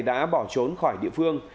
đã bỏ trốn khỏi địa phương